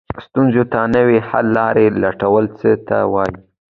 ستونزو ته نوې حل لارې لټول څه ته وایي؟